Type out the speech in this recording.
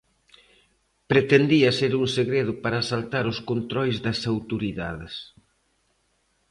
Pretendía ser un segredo para saltar os controis das autoridades.